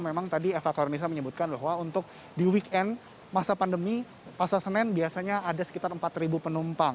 memang tadi fhkronisa menyebutkan bahwa untuk di weekend masa pandemi pasar senen biasanya ada sekitar empat penumpang